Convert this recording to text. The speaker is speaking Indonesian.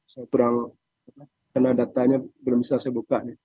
saya kurang karena datanya belum bisa saya buka